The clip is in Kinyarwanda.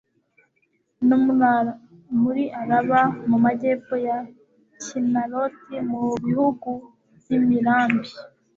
no muri araba mu majyepfo ya kinaroti, mu bihugu by'imirambi